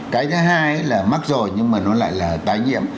cái thứ hai là mắc rồi nhưng mà nó lại là tái nhiễm